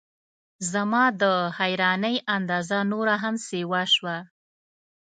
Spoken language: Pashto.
زما د حیرانۍ اندازه نوره هم سیوا شوه.